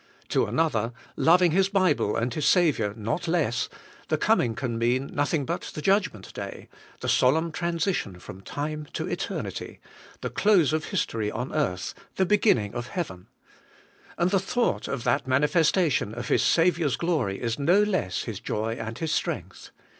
To another, loving his Bible and his Saviour not less, the coming can mean nothing but the judgment day, — the solemn transition from time to eternity, the close of history on earth, the beginning of heaven ; and the thought of that mani festation of his Saviour's glory is no less his joy and his strength.